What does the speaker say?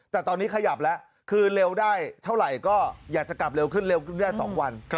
แต่ตอนนี้ขยับแล้วคือเร็วได้เท่าไหร่ก็อยากจะกลับเร็วขึ้นเร็วขึ้นได้๒วัน